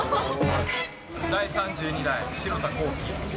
第３２代廣田弘毅。